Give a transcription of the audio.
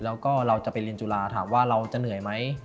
แล้วก็เราจะไปเรียนจุฬาถามว่าเราจะเหนื่อยไหม